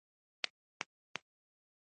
زردالو ژر پخیږي.